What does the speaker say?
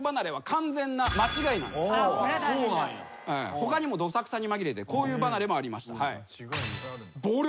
他にもどさくさに紛れてこういう離れもありました。